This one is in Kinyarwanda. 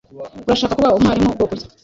Urashaka kuba umwarimu bwoko ki?